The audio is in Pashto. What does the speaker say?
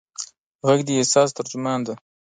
غږ د احساس ترجمان دی.